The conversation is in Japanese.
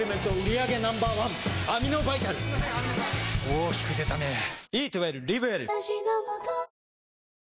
大きく出たねぇ。